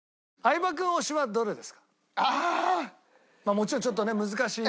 もちろんちょっとね難しい。